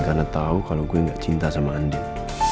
karena tau kalau gue gak cinta sama andin